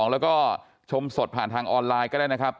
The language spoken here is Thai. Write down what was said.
แล้วก็ชมสดผ่านทางออนไลน์ก็ได้นะครับ